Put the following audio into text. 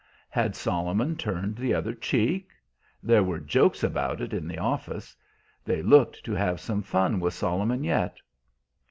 Had Solomon turned the other cheek? There were jokes about it in the office; they looked to have some fun with Solomon yet.